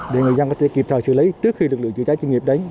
để người dân có thể kịp thời xử lý trước khi được lựa chữa cháy chuyên nghiệp đấy